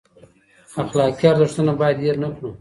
اخلاقي ارزښتونه باید هیر نه کړو.